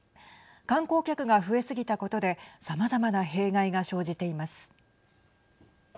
観光客が増えすぎたことでさまざまな弊害が生じています。